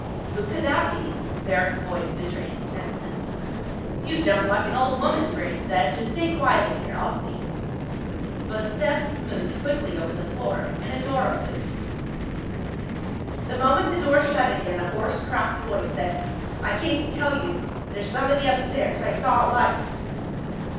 "Who could that be?" Barrack's voice betrayed his tenseness. "You jumped like an old woman," Grace said. "Just stay quiet in here. I'll see." Footsteps moved quickly over the floor, and a door opened. The moment the door shut again a hoarse cracked voice said, "I came to tell you—there's somebody upstairs. I saw a light!"